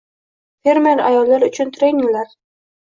Fermer ayollar uchun treninglarng